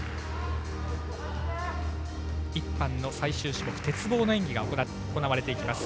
１班の最終種目鉄棒の演技が行われていきます。